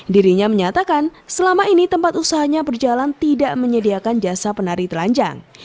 dirinya menyatakan selama ini tempat usahanya berjalan tidak menyediakan jasa penari telanjang